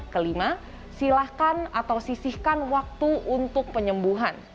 kelima silahkan atau sisihkan waktu untuk penyembuhan